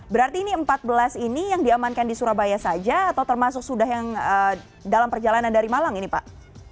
berarti ini empat belas ini yang diamankan di surabaya saja atau termasuk sudah yang dalam perjalanan dari malang ini pak